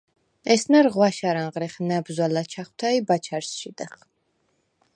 ესნა̈რ ღვაშა̈რ ანღრიხ ნა̈ბზვა̈ ლაჩა̈ხვთე ი ბაჩა̈რს შიდეხ.